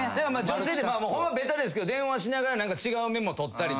女性ってホンマベタですけど電話しながら違うメモ取ったり。